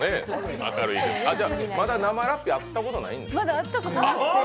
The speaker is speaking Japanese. まだ生ラッピー、会ったことない？